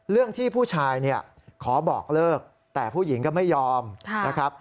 เรื่องที่ผู้ชายเนี่ยขอบอกเลิกแต่ผู้หญิงก็ไม่ยอมนะครับ